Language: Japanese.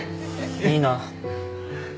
いいな。